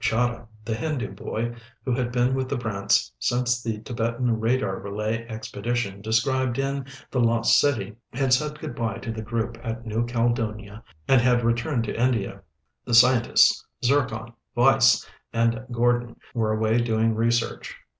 Chahda, the Hindu boy who had been with the Brants since the Tibetan radar relay expedition described in The Lost City, had said good bye to the group at New Caledonia and had returned to India. The scientists, Zircon, Weiss, and Gordon, were away doing research.